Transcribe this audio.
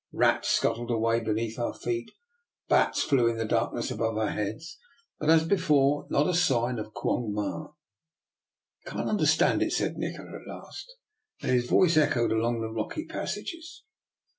Rats scuttled away beneath our feet, bats flew in the darkness above our I. heads; but, as before, not a sign of Quong Ma. " I cannot understand it," said Nikola at last, and his voice echoed along the rocky passages.